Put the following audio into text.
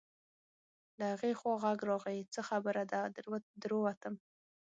له هغې خوا غږ راغی: څه خبره ده، در ووتم.